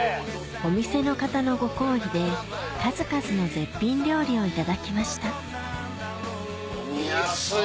お店の方のご厚意で数々の絶品料理をいただきました飲みやすい！